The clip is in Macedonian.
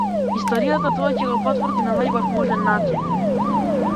Историјата тоа ќе го потврди на најубав можен начин.